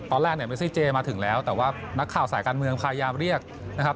ตอนแรกเนี่ยเมซี่เจมาถึงแล้วแต่ว่านักข่าวสายการเมืองพยายามเรียกนะครับ